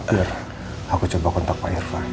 biar aku coba kontak pak irva